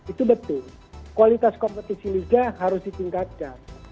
itu betul kualitas kompetisi liga harus ditingkatkan